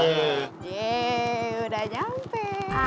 yeay udah nyampe